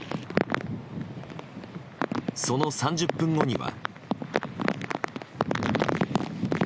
その３０分後には。